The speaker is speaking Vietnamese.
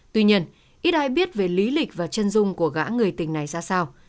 tuy nhiên ít ai biết về lý lịch và chân dung của gã người tình này ra sao